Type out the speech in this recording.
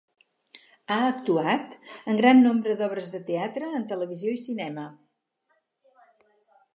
Ha actuat en gran nombre d'obres de teatre, en televisió i cinema.